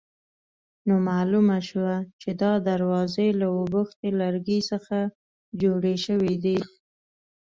نو معلومه شوه چې دا دروازې له اوبښتي لرګي څخه جوړې شوې دي.